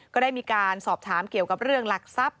ก็ได้มีการสอบถามเกี่ยวกับเรื่องหลักทรัพย